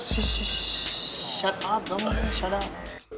shut up dong shut up